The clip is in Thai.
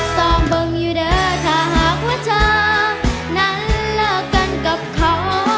สองบึงอยู่เด้อถ้าหากว่าเธอนั้นเลิกกันกับเขา